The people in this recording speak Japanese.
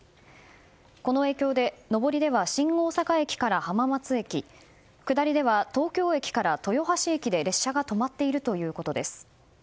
この影響で上りでは新大阪駅から浜松駅下りでは、東京駅から豊橋駅で列車が止まっているということです。